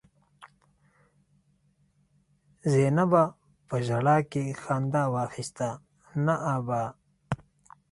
زينبه په ژړا کې خندا واخيسته: نه ابا!